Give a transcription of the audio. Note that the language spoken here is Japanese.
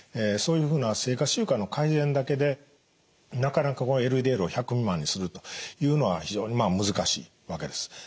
そういうふうな生活習慣の改善だけでなかなかこのＬＤＬを１００未満にするというのは非常に難しいわけです。